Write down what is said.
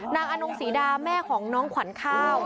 อนงศรีดาแม่ของน้องขวัญข้าว